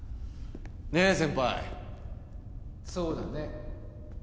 ねえ先輩そうだね